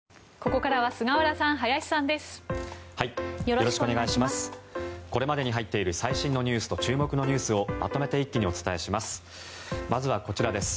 これまでに入っている最新ニュースと注目のニュースをまとめて一気にお伝えします。